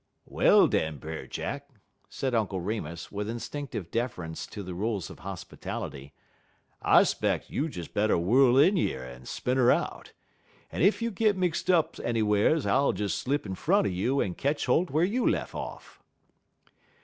"Well, den, Brer Jack," said Uncle Remus, with instinctive deference to the rules of hospitality, "I 'speck you des better whirl in yer en spin 'er out. Ef you git 'er mix up anywhars I ull des slip in front er you en ketch holt whar you lef' off."